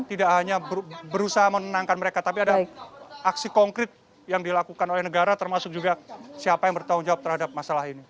tidak hanya berusaha menenangkan mereka tapi ada aksi konkret yang dilakukan oleh negara termasuk juga siapa yang bertanggung jawab terhadap masalah ini